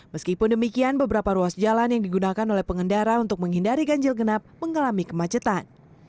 meskipun demikian beberapa ruas jalan yang digunakan oleh pengendara untuk menghindari ganjil genap mengalami kemacetan